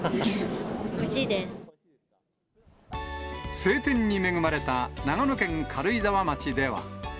晴天に恵まれた長野県軽井沢町では。